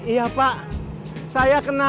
iya pak saya kena